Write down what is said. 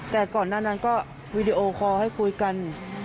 แต่ก่อนหน้านั้นก็วีดีโอคอลให้คุยกัน